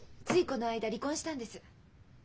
この間離婚したんです。